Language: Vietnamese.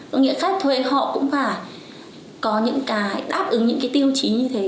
có nghĩa khách thuê họ cũng phải có những cái đáp ứng những cái tiêu chí như thế